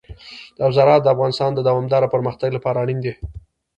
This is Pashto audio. زراعت د افغانستان د دوامداره پرمختګ لپاره اړین دي.